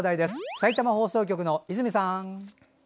さいたま放送局の泉さん。